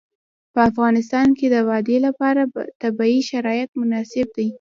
په افغانستان کې د وادي لپاره طبیعي شرایط مناسب دي.